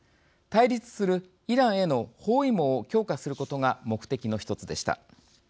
対立するイランへの包囲網を強化することが目的の１つでした。